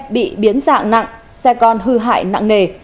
bị biến dạng nặng xe con hư hại nặng nề